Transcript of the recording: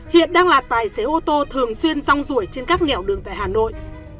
hiện đang là tài xế ô tô thường xuyên song rủi trên các nghèo đường tại hà nội